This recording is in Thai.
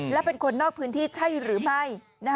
และเป็นคนนอกพื้นที่ใช่หรือไม่